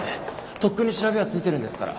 とっくに調べはついてるんですから。